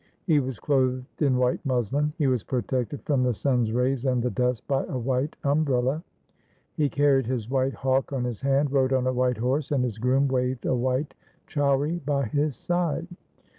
He was clothed in white muslin, he was protected from the sun's rays and the dust by a white umbrella, he carried his white hawk on his hand, rode on a white horse, and his groom waved a white chauri by his side.